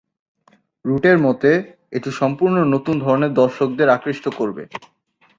রুটের মতে, এটি সম্পূর্ণ নতুন ধরনের দর্শকদের আকৃষ্ট করবে।